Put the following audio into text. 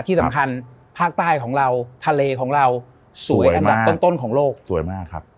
ที่สำคัญภาคใต้ของเราทะเลของเราสวยอันดับต้นของโลกสวยมากครับ